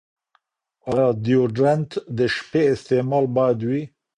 ایا ډیوډرنټ د شپې استعمال باید وي؟